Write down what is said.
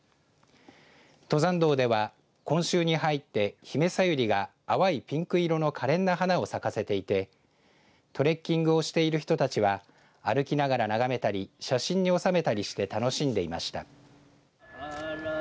登山道では今週に入ってヒメサユリが淡いピンク色のかれんな花を咲かせていてトレッキングをしている人たちは歩きながら眺めたり写真に収めたりして楽しんでいました。